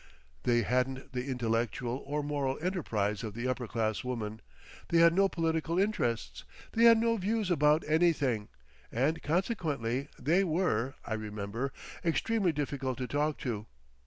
They hadn't the intellectual or moral enterprise of the upper class woman, they had no political interests, they had no views about anything, and consequently they were, I remember, extremely difficult to talk to.